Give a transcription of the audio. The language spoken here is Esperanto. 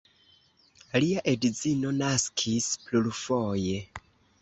Lia edzino naskis plurfoje.